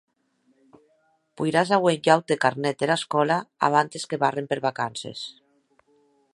Poiràs auer un aute carnet dera escòla abantes que barren per vacances.